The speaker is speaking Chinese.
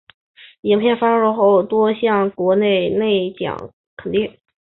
影片发表后获多项国内外奖项肯定。